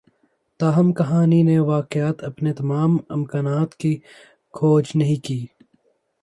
تاہم کہانی نے واقعتا اپنے تمام امکانات کی کھوج نہیں کی